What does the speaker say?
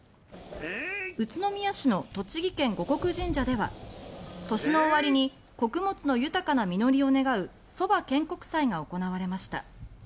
宇都宮市の栃木県護国神社では年の終わりに穀物の豊かな実りを願うそば献穀祭が行われました。